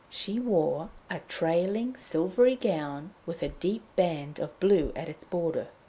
She wore a trailing silvery gown, with a deep band of blue at its border.